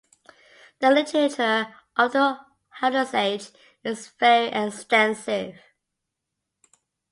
The literature of the Heldensage is very extensive.